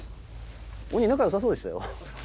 鬼仲良さそうでしたよ。